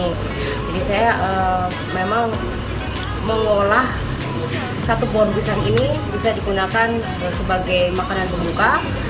jadi saya memang mengolah satu pohon pisang ini bisa digunakan sebagai makanan berbuka